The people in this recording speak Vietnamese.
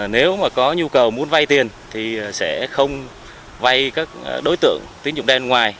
nếu mà có nhu cầu muốn vai tiền thì sẽ không vai các đối tượng tín dụng đen ngoài